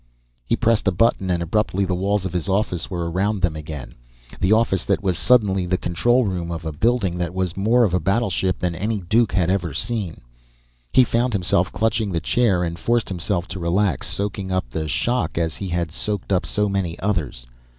He pressed a button, and abruptly the walls of his office were around them again the office that was suddenly the control room of a building that was more of a battleship than any Duke had ever seen. He found himself clutching the chair, and forced himself to relax, soaking up the shock as he had soaked up so many others.